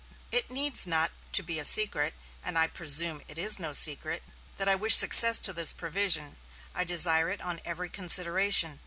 It needs not to be a secret, and I presume it is no secret, that I wish success to this provision. I desire it on every consideration.